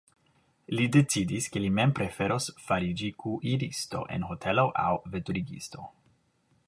Li decidis, ke li mem preferos fariĝi kuiristo en hotelo aŭ veturigisto.